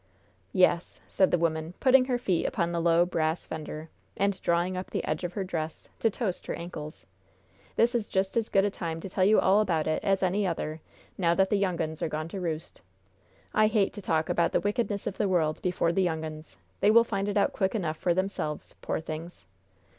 "Yes," said the woman, putting her feet upon the low, brass fender and drawing up the edge of her dress, to toast her ankles, "this is just as good a time to tell you all about it as any other, now that the young uns are gone to roost. I hate to talk about the wickedness of the world before the young uns; they will find it out quick enough for themselves, poor things!